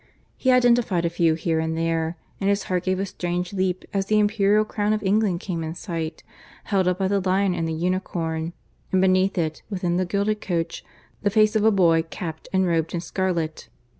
He identified a few here and there; and his heart gave a strange leap as the Imperial Crown of England came in sight, held up by the Lion and the Unicorn, and beneath it, within the gilded coach, the face of a boy capped and robed in scarlet.